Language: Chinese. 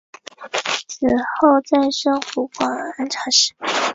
此后再升湖广按察使。